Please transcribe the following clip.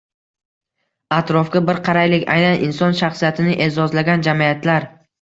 Atrofga bir qaraylik – aynan inson shaxsiyatini e’zozlagan jamiyatlar